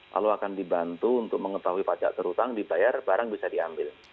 lalu akan dibantu untuk mengetahui pajak berhutang dibayar barang bisa diambil